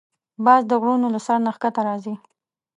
باز د غرونو له سر نه ښکته راځي